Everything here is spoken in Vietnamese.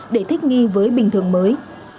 và sự thích nghi với bình thường mới